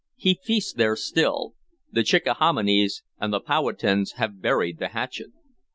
He feasts there still. The Chickahominies and the Powhatans have buried the hatchet."